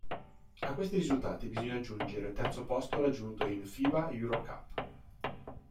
A questi risultati bisogna aggiungere il terzo posto raggiunto in Fiba EuroCup.